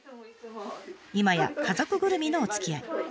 今や家族ぐるみのおつきあい。